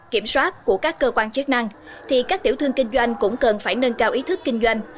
kiểm soát của các cơ quan chức năng thì các tiểu thương kinh doanh cũng cần phải nâng cao ý thức kinh doanh